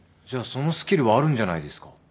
じゃあそのスキルはあるんじゃないですか。